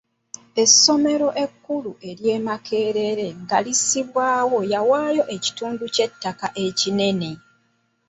Essomero ekkulu ery'e Makerere nga lissibwawo yawaayo ekitundu ky'ettaka kinene.